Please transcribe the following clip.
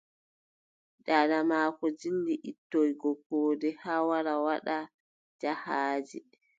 Daada maako dilli ittoygo koode haa wara waɗa jahaaji.